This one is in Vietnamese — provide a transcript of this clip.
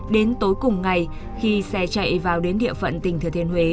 đến tối cùng ngày khi xe chạy vào đến địa phận tỉnh thừa thiên huế